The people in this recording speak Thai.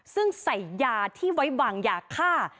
ซึ่งใส่ยาที่ไว้วางยาฆ่า